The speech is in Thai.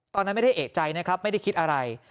ตอนนั้นไม่ได้เอกใจนะครับไม่ได้คิดอะไร